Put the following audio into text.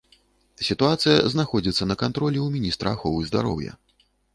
Сітуацыя знаходзіцца на кантролі ў міністра аховы здароўя.